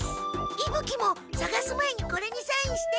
いぶ鬼もさがす前にこれにサインして。